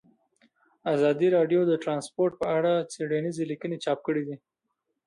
ازادي راډیو د ترانسپورټ په اړه څېړنیزې لیکنې چاپ کړي.